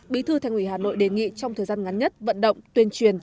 bí thư thành ủy hà nội đề nghị trong thời gian ngắn nhất vận động tuyên truyền